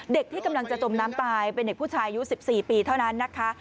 เด็กที่กำลังจะจมน้ำตายเป็นเด็กผู้ชายอายุ๑๔ปีเท่านั้นนะคะ